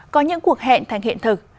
có những cuộc hẹn thành hiện thực